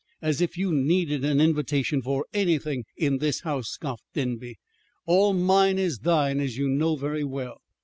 As if you needed an invitation for anything, in this house," scoffed Denby. "All mine is thine, as you know very well."